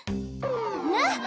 ねっ！